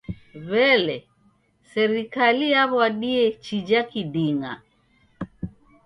W'elee, serikaliyaw'adie chija kiding'a?